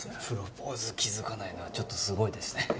プロポーズ気づかないのはちょっとすごいですね